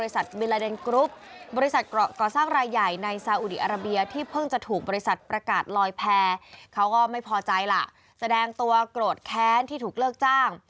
แสดงตัวโกรธแค้นที่ถูกเลิกจ้าง